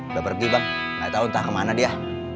udah pergi bang gak tahu entah kemana dia